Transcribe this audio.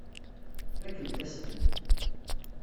Tfakemt-as-tent.